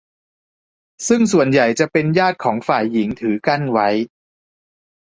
ซึ่งส่วนใหญ่จะเป็นญาติของฝ่ายหญิงถือกั้นไว้